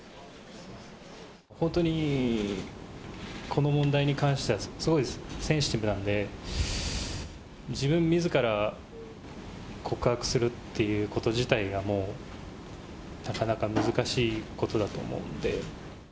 本当にこの問題に関しては、すごいセンシティブなんで、自分みずから告白するっていうこと自体がもう、なかなか難しいことだと思うんで。